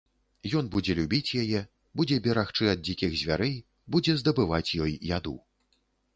Ён будзе любіць яе, будзе берагчы ад дзікіх звярэй, будзе здабываць ёй яду.